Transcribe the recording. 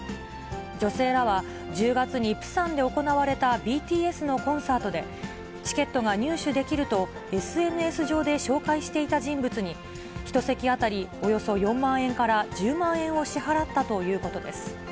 女性らは、１０月にプサンで行われたＢＴＳのコンサートで、チケットが入手できると、ＳＮＳ上で紹介していた人物に、１席当たりおよそ４万円から１０万円を支払ったということです。